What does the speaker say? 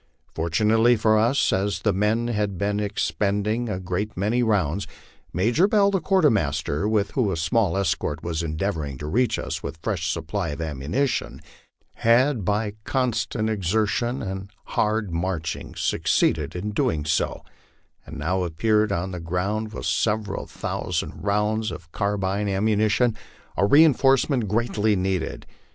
Fortunately for us, as the men had been expending a great many rounds, Major Bell, the quartermaster, who with a small escort was endeavoring to reach us with a fresh supply of ammunition, had by constant ex ertion and hard marching succeeded in doing so, and now appeared on the ground with several thousand rounds of carbine ammunition, a reinforcement greatly needed.